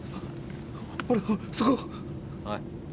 そこ！おい。